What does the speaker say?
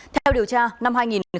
theo điều tra năm hai nghìn một mươi hai